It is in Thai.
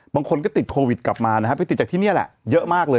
บางคนก็ติดโควิดกลับมานะฮะไปติดจากที่นี่แหละเยอะมากเลย